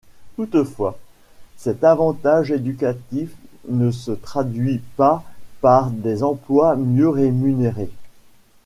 Toutefois, cet avantage éducatif ne se traduit pas par des emplois mieux rémunérés.